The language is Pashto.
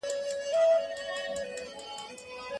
څېړونکی د استاد د لارښوونو په اورېدلو مکلف دی.